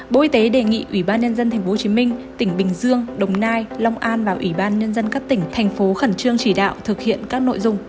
bộ y tế đề nghị ủy ban nhân dân tp hcm tỉnh bình dương đồng nai long an và ủy ban nhân dân các tỉnh thành phố khẩn trương chỉ đạo thực hiện các nội dung